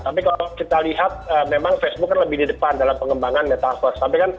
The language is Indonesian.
tapi kalau kita lihat memang facebook kan lebih di depan dalam pengembangan metaverse